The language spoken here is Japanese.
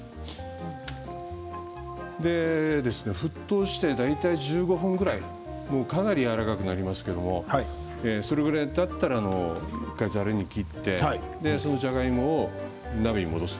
沸騰して、大体１５分ぐらいでかなりやわらかくなりますけれどそれぐらいたったらざるに切ってその、じゃがいもを鍋に戻す。